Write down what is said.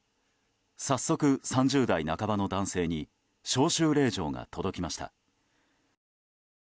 早速３０代半ばの男性に招集令状が届きました。